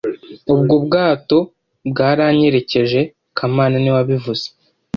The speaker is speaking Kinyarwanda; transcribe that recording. Ubwo bwato bwaranyerekeje kamana niwe wabivuze